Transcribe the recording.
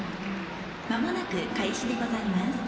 まもなく、開始でございます。